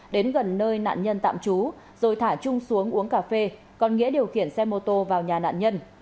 đến gần nơi nạn nhân tạm trú rồi thả chung xuống uống cà phê còn nghĩa điều khiển xe mô tô vào nhà nạn nhân